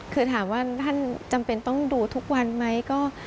คือถามว่าท่านจำเป็นต้องดูทุกวันไหม